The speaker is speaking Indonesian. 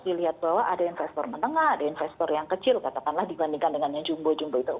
dilihat bahwa ada investor menengah ada investor yang kecil katakanlah dibandingkan dengan yang jumbo jumbo itu